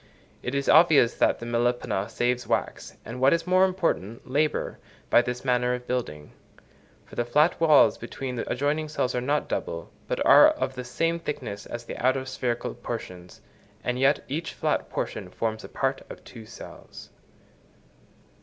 It is obvious that the Melipona saves wax, and what is more important, labour, by this manner of building; for the flat walls between the adjoining cells are not double, but are of the same thickness as the outer spherical portions, and yet each flat portion forms a part of two cells.